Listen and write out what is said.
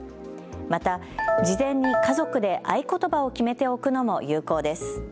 また事前に家族で合言葉を決めておくのも有効です。